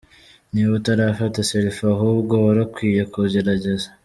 Niba utarafata Selfie ahubwo warukwiye kugerageza!.